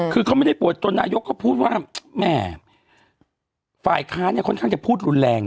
คือเขาไม่ได้ปวดจนนายกเขาพูดว่าแหมฝ่ายค้าเนี่ยค่อนข้างจะพูดรุนแรง